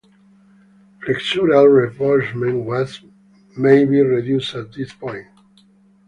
Flexural reinforcement may be reduced at this point.